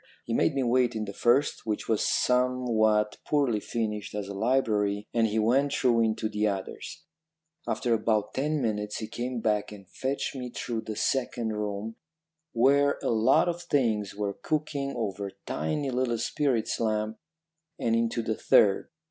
He made me wait in the first, which was somewhat poorly furnished as a library, and he went through into the others. After about ten minutes he came back and fetched me through the second room, where a lot of things were cooking over tiny little spirit lamps, and into the third.